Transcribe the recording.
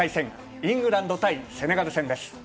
イングランド対セネガル戦です。